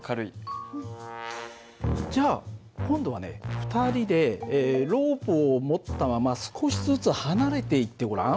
２人でロープを持ったまま少しずつ離れていってごらん。